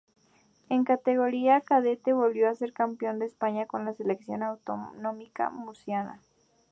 En categoría cadete volvió a ser campeón de España con la selección autonómica murciana.